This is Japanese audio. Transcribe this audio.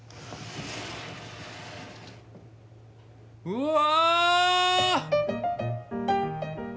うわ！